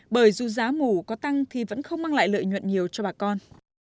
bởi dù giá mủ có tăng thì vẫn không mang lại lợi nhuận nhiều cho bà con